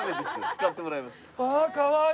使ってもらいます。